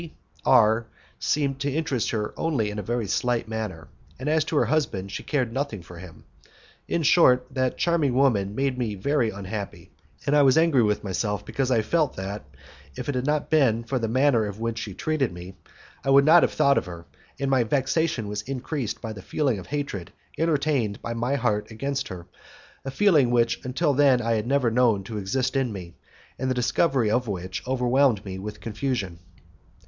D R seemed to interest her only in a very slight manner, and as to her husband, she cared nothing for him. In short, that charming woman made me very unhappy, and I was angry with myself because I felt that, if it had not been for the manner in which she treated me, I would not have thought of her, and my vexation was increased by the feeling of hatred entertained by my heart against her, a feeling which until then I had never known to exist in me, and the discovery of which overwhelmed me with confusion.